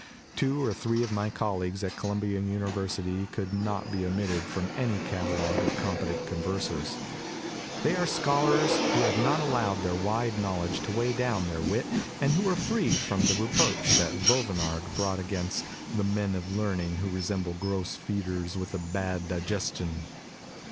Two or three of my colleagues at Columbia University could not be omitted from any catalog of com petent conversers; they are scholars who have not allowed their wide knowledge to weigh down their wit and who are free from the reproach that Vauvenargues brought against "the men of learning who resemble gross feeders with a bad digestion."